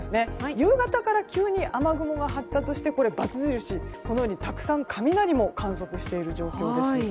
夕方から急に雨雲が発達してこれバツ印このようにたくさん雷も観測している状況になります。